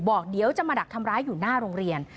บอกเดี๋ยวจะมาดักทำร้ายอยู่หน้าโรงเรียน